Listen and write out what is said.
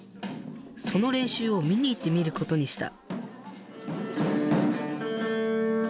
その練習を見に行ってみることにした。